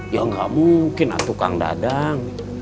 ya gak mungkin atukang dadang